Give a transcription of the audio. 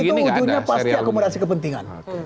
itu ujungnya pasti akomodasi kepentingan